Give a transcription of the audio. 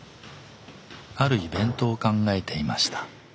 あるイベントを考えていました。